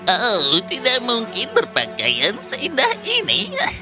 oh tidak mungkin berpakaian seindah ini